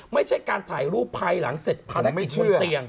ไม่ใช่การถ่ายรูปภายหลังเสร็จภารกิจบนเตียง